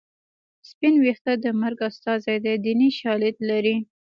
سپین ویښته د مرګ استازی دی دیني شالید لري